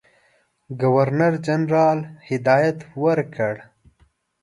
ګورنرجنرال هدایت ورکړ.